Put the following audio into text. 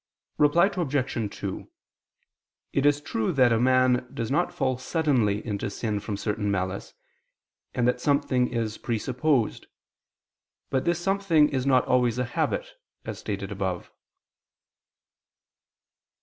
Reply Obj. 2: It is true that a man does not fall suddenly into sin from certain malice, and that something is presupposed; but this something is not always a habit, as stated above.